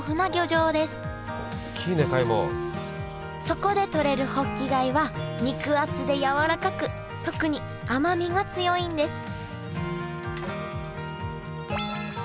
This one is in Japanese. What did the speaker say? そこでとれるホッキ貝は肉厚でやわらかく特に甘みが強いんです